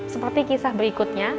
seperti kisah berikutnya